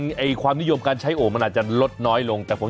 รถนักเรียนครับที่ปฐูมินาคม